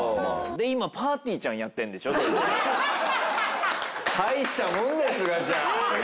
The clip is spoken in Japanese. で今ぱーてぃーちゃんやってるんでしょ？大したもんだよすがちゃん。